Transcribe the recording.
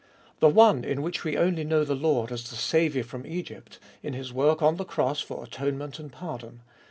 The one in which we only know the Lord as the Saviour from Egypt, in His work on the cross for atonement and pardon.